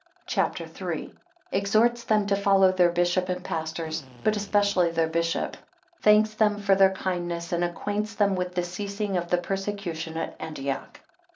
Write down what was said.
CHAPTER III. 1 Exhorts them to follow their bishop and pastors; but especially their bishop. 6 Thanks them for their kindness, 11 and acquaints them with the ceasing of the persecution at Antioch.